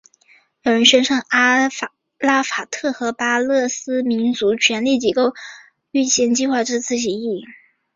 有人宣称阿拉法特和巴勒斯坦民族权力机构预先计划了这次起义。